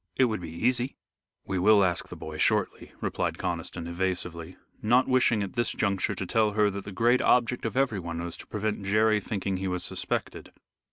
It would be easy." "We will ask the boy shortly," replied Conniston, evasively, not wishing at this juncture to tell her that the great object of everyone was to prevent Jerry thinking he was suspected.